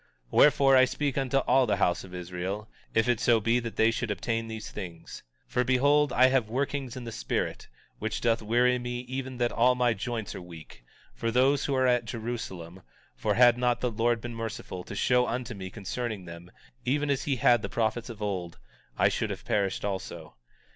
19:19 Wherefore, I speak unto all the house of Israel, if it so be that they should obtain these things. 19:20 For behold, I have workings in the spirit, which doth weary me even that all my joints are weak, for those who are at Jerusalem; for had not the Lord been merciful, to show unto me concerning them, even as he had prophets of old, I should have perished also.